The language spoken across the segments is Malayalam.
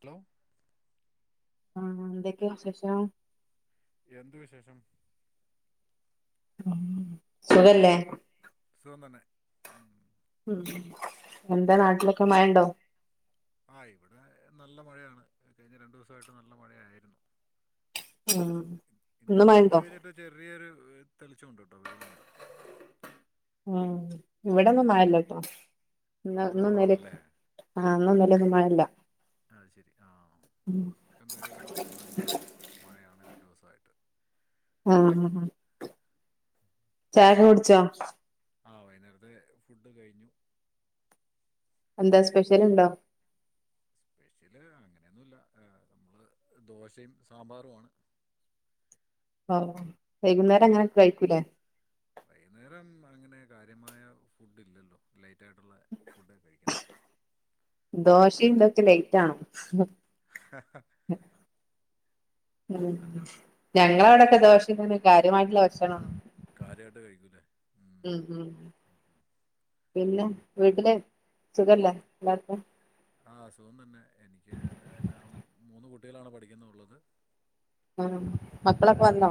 ഹലോ ആഹ് എന്തൊക്കെയാ വിശേഷം? എന്ത് വിശേഷം സുഖല്ലേ സുഖം തന്നെ ഉം എന്താ നാട്ടിലൊക്കെ മഴെണ്ടോ? ആഹ് ഇവിടെ നല്ല മഴയാണ് കഴിഞ്ഞ രണ്ടു ദിവസായിട്ട് നല്ല മഴയായിരുന്നു ഉം ഇന്ന് ഇന്നിപ്പൊ മഴണ്ടോ ഉച്ചകഴിഞ്ഞിട്ട് ചെറിയൊരു തെളിച്ചവൊണ്ട് കേട്ടോ വെയിലൊണ്ട് ആഹ് ഇവിടൊന്നും മഴില്ലട്ടൊ ആ ഇന്ന് മഴ ഇന്നും ഇന്നലെ കുറവാണല്ലേ ആഹ് ഇന്നും ഇന്നലൊന്നും മഴല്ല അത് ശരി ആഹ് എന്തായാലും നല്ല മഴയാണ് രണ്ട് ദിവസായിട്ട് ഉം ഉം ഉം ചായ കുടിച്ചോ ആഹ് വൈന്നേരത്തേ ഫുഡ് കഴിഞ്ഞു എന്താ സ്പെഷ്യലിണ്ടോ സ്‌പെഷ്യല് അങ്ങനൊന്നുല്ല നമ്മള് ദോശയും സാമ്പാറും ആണ് ഓഹ് വൈകുന്നേരം അങ്ങനൊക്കെ കഴിക്കൂലേ വൈന്നേരം അങ്ങനെ കാര്യമായ ഫുഡ് ഇല്ലല്ലൊ ലൈറ്റായിട്ടൊള്ളെ ദോശേം ഇതൊക്കെ ലൈറ്റാണോ ഉം ആ ഞങ്ങളവടൊക്കെ ദോശേന്ന് [inaudible] കാര്യമായിട്ടുള്ള ഭക്ഷണാണ് കാര്യായിട്ട് കഴിക്കൂലേ ഉം ഉം പിന്നെ വീട്ടില് സുഖല്ലേ എല്ലാർക്കും ആഹ് സുഖം തന്നെ എനിക്ക് എന്നാ മൂന്ന് കുട്ടികളാണ് പഠിക്കുന്ന ഒള്ളത് ഉം മക്കളൊക്കെ വന്നൊ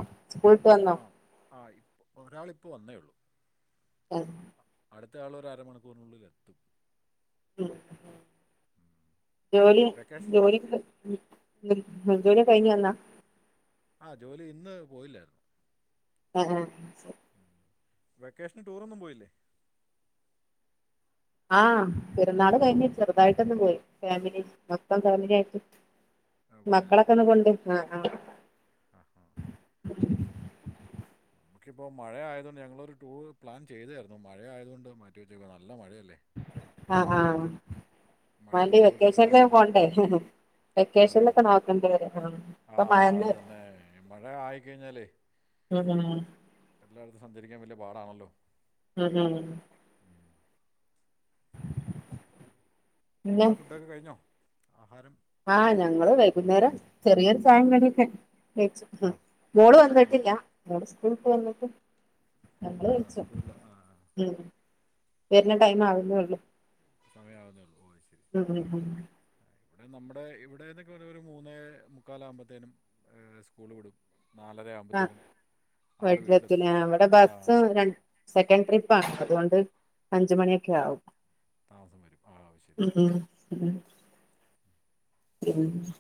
ആഹ് ആഹ് ഇപ്പൊ ഒരാളിപ്പൊ വന്നേയുള്ളു ആഹ് അഹ് അടുത്തയാളൊരു അരമണിക്കൂറിനുള്ളിലെത്തും ഉം ഉം. ജോലി വെക്കേഷൻ ജോലിക്ക് ഉം ജോലിയൊക്കെ കഴിഞ്ഞു വന്നാ ആഹ് ജോലി ഇന്ന് പോയില്ലാരുന്നു ആഹ് ആഹ് വെക്കേഷന് ടൂറൊന്നും പോയില്ലേ ആഹ് പെരുന്നാള് കഴിഞ്ഞ് ചെറുതായിട്ടൊന്ന് പോയി ഫാമിലി മൊത്തം ഫാമിലായിട്ട് ആ മക്കളൊക്കെ ഒന്ന് കൊണ്ട് ആഹ് ആഹ് ആഹാ നമുക്കിപ്പോ മഴയായതുകൊണ്ട് ഞങ്ങളൊരു ടൂർ പ്ലാൻ ചെയ്താരുന്നു മഴ ആയതുകൊണ്ട് മാറ്റിവെച്ചേക്കാ നല്ല മഴയല്ലേ ഈ ആഹ് ആഹ് മഴയത്ത് മഴയത്ത് വാണ്ടേ പോയിട്ടും വെക്കേഷനില് കാര്യമില്ല പോണ്ടേ അതെ വെക്കേഷനിലൊക്കെ അതെ നോക്കണ്ടി വെരും ആഹ് ആ ഇപ്പൊ അത് മഴന്ന് തന്നെ ഈ മഴ ഉം ഉം കെട്ടില്ലായിടത്ത് സഞ്ചരിക്കാൻ വലിയ പാടാണല്ലോ ഉം ഉം ഉം. പിന്നെ നിങ്ങടെ ഫുഡൊക്കെ കഴിഞ്ഞോ ആഹാരം ആഹ് കഴിച്ചോ ഞങ്ങള് വൈകുന്നേരം ചെറിയൊരു ചായിം കടിയൊക്കെ കഴിച്ചു ആ മോള് ആ വന്നിട്ടില്ല ആ. മോള് സ്കൂളുട്ട് വന്നിട്ട് ഞങ്ങള് ആ കഴിച്ചു സ്കൂളിൽ ആ ആ. വരുന്ന ടൈം ആവുന്നേള്ളൂ സമയാവുന്നേള്ളൂ ഓഹ് ശരി ഉം ഉം ഉം ഇവിടെ നമ്മടെ ഇവിടെന്നൊക്കെ പറഞ്ഞാ ഒരു മൂന്നേ മുക്കാലാകുമ്പോത്തേനും ഏഹ് സ്കൂള് വിടും നാലരയാവും ആഹ് വീട്ടിലെത്തുംലെ ഇവിടെ ആ ബസ്സും രണ്ട് സെക്കൻഡ് ട്രിപ്പാ അതുകൊണ്ട് അഞ്ച് മണിയൊക്കെ ആവും താമസം വരും ആഹ് ശരി ഉം ശരി ഉം പിന്ന്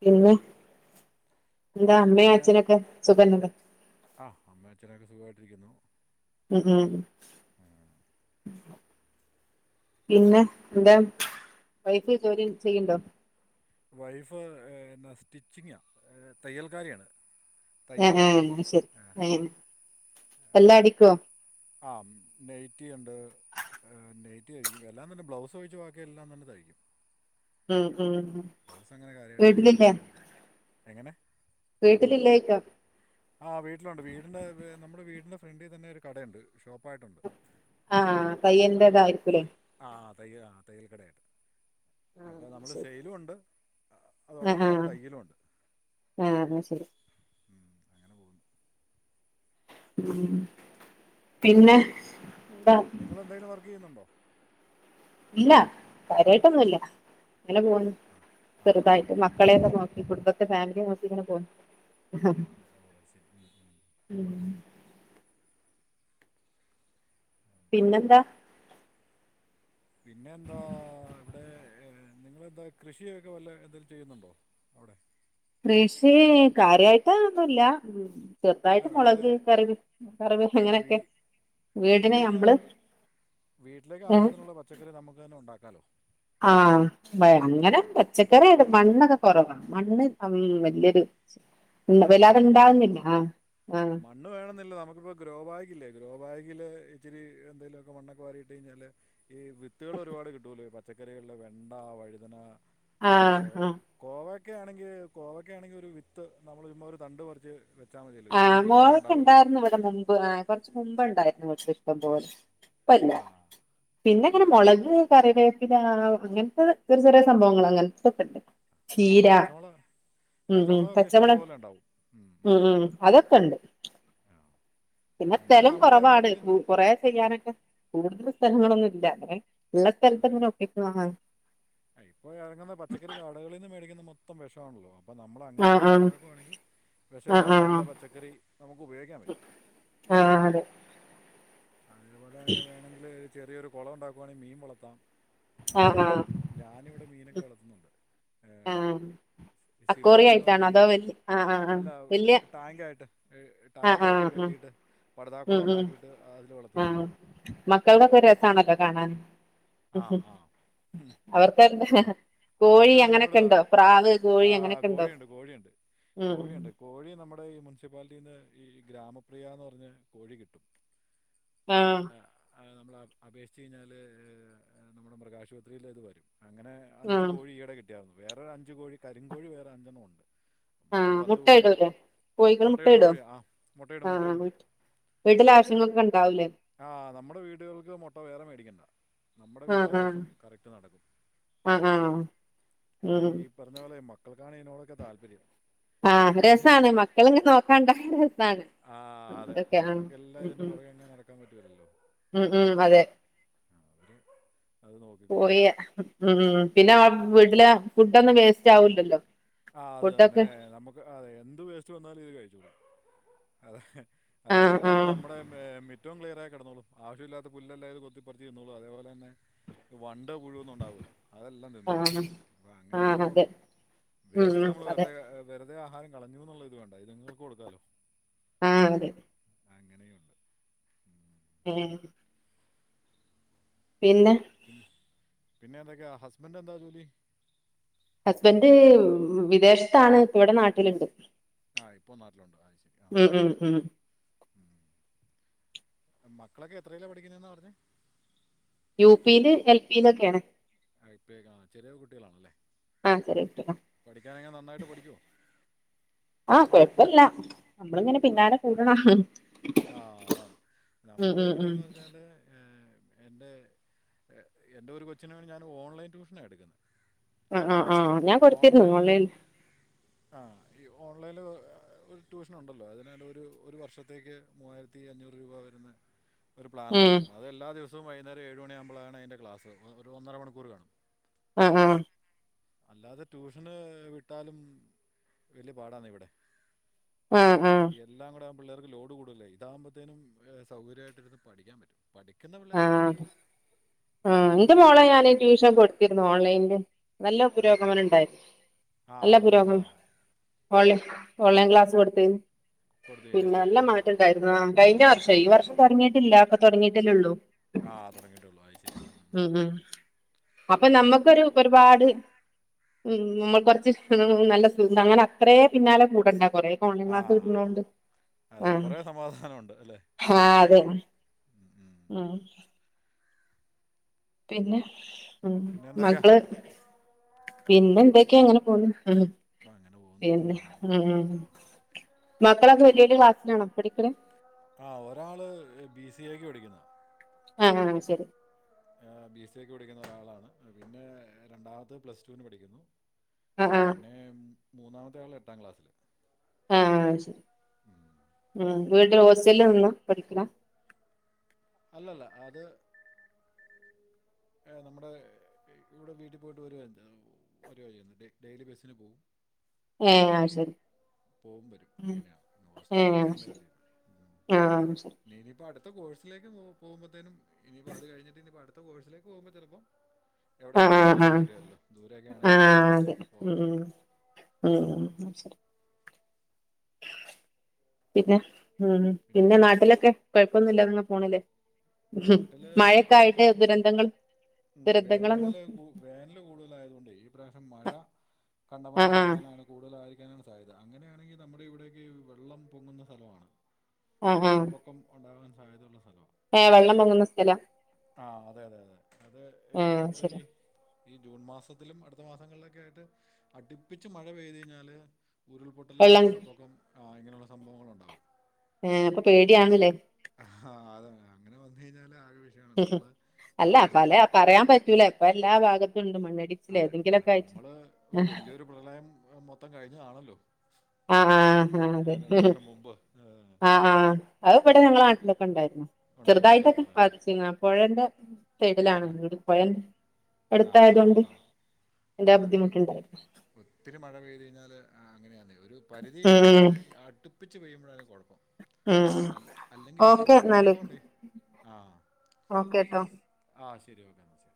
പിന്നെ എന്താ അമ്മയും അച്ഛനൊക്കെ സുഖന്നെല്ലെ ആഹ് അമ്മയും അച്ഛനൊക്കെ സുഖായിട്ടിരിക്കുന്നു ഉം ഉം പിന്നെ എന്താ വൈഫ് ജോലി ചെയ്യ്ണ്ടോ വൈഫ് ഏഹ് എന്നാ സ്റ്റിച്ചിംങ്ങാ തയ്യൽക്കാരിയാണ് ഏഹ് തയ്യലുണ്ട് ഏഹ് ശരി ആഹ് ഏഹ് എല്ലാം അടിക്കോ ആഹ് നെയ്റ്റിയുണ്ട് ഏഹ് നെയ്റ്റിതയ്യ്ക്കും എല്ലാംതന്നെ ബ്ലൗസ് ഒഴിച്ച് ബാക്കി എല്ലാംതന്നെ തയ്യ്ക്കും ഉം ഉം വീട്ട്ലില്ലെ എങ്ങെനെ വീട്ടിലില്ലേ ചോയ്ക്കാ ആഹ് വീട്ടിലുണ്ട് വീടിന്റെ വ് നമ്മടെ വീടിന്റെ ഫ്രണ്ടിൽ തന്നെ ഒരു കടയുണ്ട് ഷോപ്പായിട്ടുണ്ട് അപ്പൊ ആഹ് ആഹ് പയ്യന്റെതായിരിക്കൂലേ ആഹ് തയ്യലാ തയ്യെല് കടേണ് അപ്പൊ ന്നമ്മള് സെയ്ലുണ്ട് അതോടൊപ്പം തന്നെ തയ്യലുംണ്ട് ഏഹ് ഇന്നാ ശെരി അങ്ങെനെ പോവുന്നു. ഉം പിന്നെ ന്നിങ്ങളെന്തെലും വർക്കെയ്യുന്നുണ്ടോ? ഇല്ല ഇല്ല കാര്യായ്ട്ടൊന്നുല്ല അങ്ങനെ കാര്യമായിട്ടൊന്നുമില്ല പോന്ന് ആ ആ ഹാ ഹാ ചെറ്തായിട്ട് മ ക്കളെയെല്ലാം നോക്കി കുടുംബത്തെ ഫാമിലിയെ നോക്കി ഇങ്ങനെ പോവുന്ന്. ഓഹ് നല്ലെ ഓഹ് അത് ശെരി ഉം, ഉം. ഉം പിന്നെന്താ? പിന്നെന്താ ഇവടെ ഏഹ് ന്നിങ്ങെളെന്താ കൃഷിയൊക്കെ വല്ലൊം എന്തേലും ചെയ്യുന്നുണ്ടോ? അവ്ടെ കൃഷി കാര്യായ്ട്ട് ഒന്നുല്ല. അല്ല ചെറുതായിട്ട് നമ്മുടെ മൊളെക് കറി കറിവ് ആ വീ അങ്ങനെയൊക്കെ വീടിന് നമ്മള് വീട്ടിലേക്ക് ഏ ആവിശ്യത്തിനുള്ള പച്ചക്കറി ന്നമുക്ക് തന്നെ ഉണ്ടാക്കാലോ? ആഹ് അങ്ങനെ പച്ചക്കറി മണ്ണൊക്കെ കൊറവാ. മണ്ണ് അം വ ല്ല്യൊരു അല്ല ഇപ്പം വെല്ലാതെ അതിനിപ്പം ഇണ്ടാവുന്നില്ല ആഹ്, ആഹ്. മണ്ണ് വേണന്നില്ല നമുക്കിപ്പോ ഗ്രോ ബാഗില്ലേ ഗ്രോ ബാഗില് ഇച്ചിരി എന്തേലൊക്കെ മണ്ണൊക്കെ വാരിയിട്ട് കഴിഞ്ഞാല് ഈ വിത്തുകൾ ഒരുപാട് കിട്ടോലോ പച്ചക്കറികളില് വെണ്ട, വഴുതന ഏഹ് ആഹ് കോവ ആഹ് കോവക്കആണെങ്കി കോവക്ക ആണെങ്കി ഒര് വിത്ത് നമ്മള് ഒര് തണ്ട് പറിച്ച് വെ ആഹ് കോവക്ക ഇണ്ടായിര്ന്നു ഇവടെ മുമ്പ് കൊർച്ച് മുമ്പ് ഇണ്ടായിര്ന്നു ഇഷ്ട്ടം പോലെ. ഇപ്പല്ല ആ പിന്നെ ആ ഇങ്ങെനെ മൊളെക് കറിവേപ്പില അങ്ങെൻത്തെ ചെറു ചെറിയെ സംഭവങ്ങൾ അങ്ങെൻത്തൊക്കെണ്ട്. ആ ചീര പച്ചമുളക് ഉം, ഉം പച്ചമുളകൊക്കെ പച്ചമൊള് ഇഷ്ടംപോലെ ഉണ്ടാവും ഉം, ഉം. അതൊക്കെണ്ട് ആ അപ്പോൾ പിന്നെ അങ്ങനെ സ്ഥലവും നമ്മൾ കൊറവാണ് എന്തെങ്കിലും ഉം കൊറേ ചെയ്യാനൊക്കെ കൂടുതൽ സ്ഥലങ്ങളൊന്നുല്ല അങ്ങനെ ഉള്ള സ്ഥലത്ത് അതെലെ അങ്ങനെ ഒപ്പിക്കും ആഹ് ഇപ്പോ എറങ്ങുന്ന പച്ചക്കറി കാ കടകളിന്ന് മേടിക്കുന്ന മൊത്തം വെഷാണല്ലോ? അപ്പം നമ്മള് അങ്ങെനെ ആഹ് എന്തെലും ആഹ് ഉണ്ടാക്കുയാണെങ്കി ആഹ് വെശല്ലാത്ത നല്ലെ ആഹ് പച്ചക്കറി ന്നമുക്ക് ഉപയോഗിക്കാൻ പറ്റും. ആഹ് അതെ. അതേപോലെന്നെ വേണെങ്കില് ചെറിയൊരു കൊളം ഉണ്ടാക്കുവാണെങ്കി മീൻ വളർത്താം. ആഹ്, ആഹ് ഞാനിവിടെ മീനൊക്കെ വളർത്തുന്നുണ്ട് ഏഹ്. ആഹ് ഈ അക്കോറി സിലോപ്പിന്ന് പർഞ്ഞ ആയിട്ടാണോ അതോ മീന് വല്യ ആഹ് ആഹ് ആഹ് അല്ലാ വല്യ ട്ടാങ്കായിട്ട് ഈ ആഹ് ട്ടാങ്കായിട്ട് ആഹ് ആഹ് കെട്ടിയിട്ട് പടുതാക്കൊളം ഒണ്ടാക്കിട്ട് അതില് വളർത്തുന്നത് മക്കൾതൊക്കെ രസാണല്ലോ കാണാന്? ആഹ് ആഹ്. അവർക്ക് കോഴി അവർക്കാണ് അങ്ങനെയൊക്കെ ഇതിനോട് ഉണ്ടോ പ്രാവ് ആ കോഴി അങ്ങനൊക്കെ ഉണ്ടോ? കോഴിയുണ്ട് കോഴിയുണ്ട് ഉം കോഴിയുണ്ട് കോഴി നമ്മുടെ ഈ മുനിസിപ്പാലിറ്റിന്ന് ഈ ഗ്രാമപ്രിയ എന്ന് പറഞ്ഞ കോഴി കിട്ടും. ആഹ്. ആ, നമ്മൾ അപേക്ഷിച്ച് കഴിഞ്ഞാല് നമ്മുടെ മൃഗാശുപത്രിയിൽ അത് വരും അങ്ങനെ. അഞ്ചു ആഹ് കോഴി ഈയിടെ കിട്ടിയായിരുന്നു വേറെ അഞ്ചു കോഴി കരിങ്കോഴി വേറെ അഞ്ചെണ്ണം ഉണ്ട്. മൊത്തം ആഹ് പത്ത് മുട്ട കോഴിയുണ്ട് ഇടൂലേ കോഴികൾ മുട്ട മൊട്ടയിടുന്ന ഇടോ കോഴിയാ ആഹ് മൊട്ടയിടും ആഹ് മൊട്ടയിടും. വീട്ടിലെ ആവശ്യങ്ങൾക്കൊക്കെ ഉണ്ടാവൂലേ? ആഹ് നമ്മുടെ വീടുകൾക്ക് മൊട്ട വേറെ മേടിക്കണ്ട. നമ്മുടെ വീട്ടിലെ ആഹ് ആഹ് ആവശ്യം കറക്റ്റ് നടക്കും ആഹ് ആഹ് കോഴിള്ളതുണ്ട് പിന്നെ ഉം ഈ. പറഞ്ഞ പോലെ മക്കൾക്കാണ് ഇതിനോടക്കെ താല്പര്യം. ആഹ് അവർ രസാണ് മക്കളിങ്ങനെ നോക്കാണ്ടായ രസാണ്. ആഹ് അതെ അതൊക്കെ ആഹ് നമ്മക്കെല്ലാം ഉം ഇതിന്റെ ഉം പൊറകെ ഇങ്ങനെ നടക്കാൻ പറ്റുല്ലല്ലോ. ഉം ഉം അതെ. അത് നോക്കിക്കോളും പോയ ഉം ഉം പിന്നെ വീട്ടിലെ ഫുഡൊന്നും വേസ്റ്റ് ആവൂലല്ലോ. ആഹ് അത് തന്നെ നമുക്ക് ആഹ് അതെ എന്ത് വേസ്റ്റ് വന്നാലും ഇത് കഴിചോളും അതെ. ആഹ് അതേപോലെ തന്നെ ആഹ് നമ്മുടെ മി റ്റോം ക്ലിയറായി കെടന്നോളും ആവശ്യല്ലാത്ത പുല്ലെല്ലാം ഇത് കൊത്തിപ്പറിച്ചിന്നോളും അതേപോലന്നെ ഏറ്റവും. വണ്ട് പുഴുവൊന്നും ഒണ്ടാവൂല്ല അതെല്ലാം തിന്നോളും ആഹ് അപ്പ അങ്ങനൊരു ആഹ് അതെ ഗുണമുണ്ട്. വേസ്റ്റ് ഉം നമ്മള് അതെ വെറുതെ വെറ്ത ആഹാരം കളഞ്ഞൂന്നുള്ള ഇത് വേണ്ട ഇത്ങ്ങക്ക് കൊടുക്കാലോ ആഹ് അതെ. അങ്ങനെയുണ്ട്. ഏഹ്. പിന്നെ. പി പിന്നെന്തൊക്കെയാ ഹസ്ബന്റെന്താ ജോലി? ഹസ്ബന്റ് വ് വിദേശത്താണ് പ്പൊ ഇവിടെ നാട്ടിലുണ്ട്. ആഹ് ഇപ്പോ നാട്ടിലൊണ്ട് അത് ശരി ആഹ് ഉം ആഹ് ഉം ആഹ്. ഉം മക്കളെക്കെ എത്രേലാ പഠിക്കുന്നെന്നാ പറഞ്ഞെ. യു പീല് എൽ പീലെക്കെയാണ്. ആഹ് ഇപ്പേ ആഹ് ചെറിയ കുട്ടികളാണല്ലേ? ആഹ് ചെറിയ കുട്ടികളാ. പഠിക്കാനെങ്ങനാ നന്നായിട്ട് പഠിക്കോ? ആഹ് കൊഴപ്പല്ല നമ്മളിങ്ങനെ പിന്നാലെ കൂടണം. ആഹ് അതാണ് ഉം ഉം ഉം നമ്മളിവിടെന്ന് പറഞ്ഞാല്. എൻ്റെ എൻ്റെ ഒരു കൊച്ചിനേ ഞാൻ വേണ ഓൺലൈൻ ട്യൂഷനാ എടുക്കുന്നെ ആഹ് ആഹ് ആഹ് ഞാൻ കൊടുത്തിരുന്നു ഓൺലൈൽ. ആഹ് ഈ ഓൺലൈനിൽ ഒരു ട്യൂഷനൊണ്ടല്ലോ അതിനാ ഒരു ഒരു വർഷത്തേക്ക്. മൂവായിരത്തി അഞ്ഞൂറ് രൂപ വരുന്ന ഒരു പ്ലാനാ ഉം എടുത്തേക്കുന്ന. അതെല്ലാ ദിവസവും വൈകന്നേരം ഏഴു മണിയമ്പളാണ് അയ്ൻ്റെ ക്ലാസ് ഒരു ഒന്നര മണിക്കൂറ് കാണും. ആഹ് ആഹ്. അല്ലാതെ ട്യൂഷന് വിട്ടാലും. വല്യ പാടാന്നെ ഇവിടെ. ആഹ് ആഹ്. എല്ലാം കൂടാമ്പോ പിള്ളേര്ക്ക് ലോഡ് കൂടല്ലേ ഇതാമ്പത്തേനും സൗകര്യായിട്ട് ഇരുന്ന് പഠിക്കാൻ പറ്റും. പഠിക്കുന്ന പിള്ളേരാണെങ്കി ആഹ് ഇന്റെ മോളെ ഞാന് ട്യൂഷൻ കൊടുത്തിരുന്നു ഓൺലൈനില് നല്ല പുരോഗമനംണ്ടായിരുന്നു. ആഹ് അതന്നാ ആഹ്. ഓളൈ ഓളൈൻ ക്ലാസ് കൊടുത്തിനു. കൊടുത്തു പിന്നെ കഴിഞ്ഞല്ലേ നല്ല ആ മാറ്റംണ്ടായിരുന്നു ആഹ് കഴിഞ്ഞ വർഷം ഈ വർഷം തൊടങ്ങിയിട്ടില്ല പ്പ തൊടങ്ങിയിട്ടല്ലേള്ളൂ. ആ തൊടങ്ങിട്ടുള്ളു അയ് ശെരിയാ ഉം ഉം ഉം അപ്പൊ നമ്മക്കൊരു ഒരുപാട് ഉം നമ്മ കുറച്ച് നല്ല സു അങ്ങനെ അത്രേ പിന്നാലെ കൂടണ്ട കൊറെ ഓൺലൈൻ ആ ക്ലാസ്സ് കിട്ടുന്നോണ്ട് അതെ ആഹ് കുറേ സമാധാനമുണ്ട് അല്ലേ അതെ [unintelligible] ഉം പിന്നെ? ഉം പിന്നെന്തൊക്കെയാ? മക്കള് പിന്നെ എന്തെക്ക്യേ ഇങ്ങനെ പോവ്ന്ന് ഉം ഉം അപ്പം അങ്ങനെ പോകുന്നു പിന്നെ ഉം ഉം ഉം മക്കളൊക്കെ വല്യെ വല്യെ ക്ലാസ്സിലാണോ പഠിക്ക്ണ് ആഹ് ഒരാള് ബി സി എക്ക് പഠിക്ക്ന്ന് അങ്ങനെ ഓഹ് ശരി ഏഹ് ബി എ സി ക്ക് പഠിക്ക്ന്ന ഒരാളാണ് പിന്നെ രണ്ടാമത്തെത് പ്ലസ് ടു ന് പഠിക്കുന്നു ആഹ് ആഹ് പിന്നെ മൂന്നാമത്തെ ആള് എട്ടാം ക്ലാസ്സില് ആഹ് അയ്ശരി ഉം വീട് ഹോസ്റ്റൽല് നിന്നാ പഠിക്ക്ണെ അല്ലല്ല അത് ഏഹ് നമ്മടെ ഇവിടെ വീട്ടിൽ പോയിട്ട് വരുവാ എന്ത് വരുവാ ചെയ്യ്ന്ന് ഡെ ഡെയിലി ബസ്സിന് പോവും ഏഹ് അയ്ശരി പോവും വരും അങ്ങനെയാണ് പിന്നെ ഏഹ് ഹോസ്റ്റലീനിന്ന് അത് പഠിക്ക്യണ്ട ശരി കാര്യവില്ല ഉം ആഹ് ഉം ശരി നി ഇനിയിപ്പൊ അട്ത്ത കോഴ്സിലേക്ക് പോ പോവുമ്പത്തേനും ഇനിപ്പോ അത് കഴിഞ്ഞിട്ട് ഇനിപ്പ അട് ത്ത കോഴ്സിലേക്ക് പോവുമ്പൊ ചെലപ്പം എവടെ ആഹ് കിട്ട്ണേന്ന് ആഹ് പറയാൻ ആഹ് പറ്റ്കേലല്ലോ ദൂരെയൊക്കെ ആണെങ്കി ആഹ് അതെ ഉം പോവണ്ടി വരും ഉം ഉം അയ് ശെരി പിന്നെ ഉം പിന്നെ നാട്ടിലൊക്കെ കൊഴപ്പൊന്നില്ലാതങ്ങ് പോണ്ല്ലെ ഉം ഹും നാട്ടിൽ ഈ മഴെക്കെ ആയിട്ട് പ്രാവശ്യം ഇപ്പൊ- ദുരന്തങ്ങൾ ഉം ദുരന്തങ്ങളൊന്നും വേനല് കൂ വേനല് കൂടുതലായതുകൊണ്ടേയ് ഈ പ്രാവശ്യം മഴ ആഹ് ആഹ് കണ്ടമാനാകാനാണ് കൂടുതലായിരിക്കാനാണ് സാധ്യത അങ്ങനെയാണെങ്കി നമ്മുടെ ഇവിടെ ഒക്കെ ഈ വെള്ളം പൊങ്ങുന്ന സ്ഥലവാണ് ആഹ് ആഹ് വെള്ളപ്പൊക്കം ഉണ്ടാകുവാൻ സാധ്യതയുള്ള സ്ഥലവാ ഏഹ് വെള്ളം പൊങ്ങുന്ന സ്ഥലാ ആഹ് അതെ അതെ അതെ അത് ഏഹ് നമ്മടെ ഈ ഈ ജൂൺ മാസത്തിലും അടുത്ത മാസങ്ങളിലൊക്കെ ആയിട്ട് അടിപ്പിച്ച് മഴ പെയ്ത് കഴിഞ്ഞാല് ഉരുൾപൊട്ടല് വെള്ളം വെള്ളപ്പൊക്കം ആഹ് ഇങ്ങനെയുള്ള സംഭവങ്ങളുണ്ടാവും ഏഹ് അപ്പൊ പേടിയാണ്ല്ലേ ആഹ് അതെ അങ്ങനെ വന്ന് കഴിഞ്ഞാല് ആകെ വി ഉം ഹും അല്ല പലേ പറയാൻ പറ്റൂല ഇപ്പ എല്ലാ ഭാഗത്തും ഇണ്ട് മണ്ണിടി അതെ എഹ് നമ്മള് ഒരു വലിയൊരു പ്രളയം മൊത്തം കഴിഞ്ഞതാണല്ലോ ആഹ് ആഹ് ആഹ് അതെ ഏഹ്, രണ്ട് വർഷം മുമ്പ് ഏഹ്, ആഹ് ആഹ് അത് ഇവ്ടെ ഞങ്ങളെ നാട്ടിലൊക്കെ ഇണ്ടായ്ര്ന്നു ഉണ്ടായിരുന്നു അല്ലേ ചെറ്തായിട്ടൊക്കെ ആ ബാധിച്ചിക്ക്ണ് ആഹ് പൊഴെന്റെ സൈഡ്ലാണ് വീട് പൊഴന്റെ എട്ത്തായതോണ്ട് ആഹ് ഈ ഒത്തിരി മഴ പെയ്ത് കഴിഞ്ഞാല് ആഹ് അങ്ങനെയാന്നേ ഒരു പരിധി ഉം ന്നേ ഈ അടുപ്പിച്ച് പെയ്യുമ്പോഴാണ് കൊഴപ്പം ഉം ഉം അല്ല അല്ലെങ്കി വിഷയൊല്ല എടവേള ഉണ്ടേ ഓക്കെ ട്ടോ ആഹ് ശരി ഓക്കെ എന്നാ ശരി